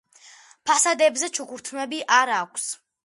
ფასადებზე ჩუქურთმები არ აქვს.